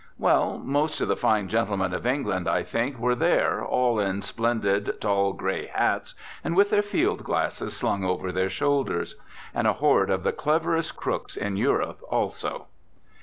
Well, most of the fine gentlemen of England, I think, were there, all in splendid tall grey hats and with their field glasses slung over their shoulders. And a horde of the cleverest crooks in Europe also.